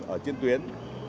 ở trên tuyến